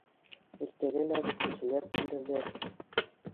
Иртәгә лә ҙур кешеләр килерҙәр.